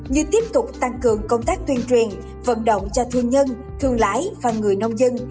như tiếp tục tăng cường công tác tuyên truyền vận động cho thương nhân thương lái và người nông dân